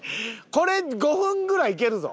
これ５分ぐらいいけるぞ。